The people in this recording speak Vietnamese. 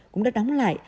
cũng đã đóng lại